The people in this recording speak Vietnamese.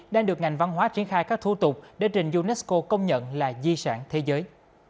đang được ngành văn hóa triển khai các thủ tục để trình unesco công nhận là di sản thế giới